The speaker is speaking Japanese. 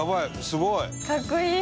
すごい！